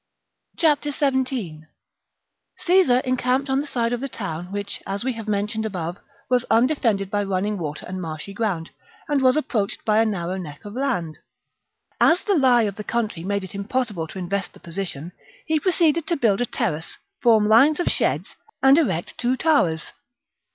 17. Caesar encamped on the side of the town siege of which, as we have mentioned above, was unde fended by running water and marshy ground, and was approached by a narrow neck of land. As the lie of the country made it impossible to invest the position, he proceeded to build a terrace, form lines of sheds, and erect two towers.